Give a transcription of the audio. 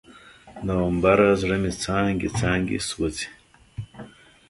نومبره، زړه مې څانګې، څانګې سوزي